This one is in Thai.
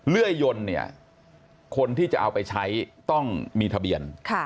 เลื่อยยนต์เนี่ยคนที่จะเอาไปใช้ต้องมีทะเบียน